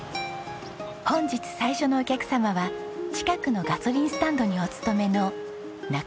本日最初のお客様は近くのガソリンスタンドにお勤めの仲宗根凱さん。